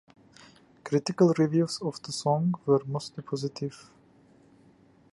Critical reviews of the song were mostly positive.